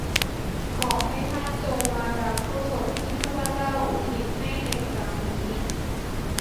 ขอให้ท่านจงมารับกุศลที่ข้าพเจ้าอุทิศให้ในครั้งนี้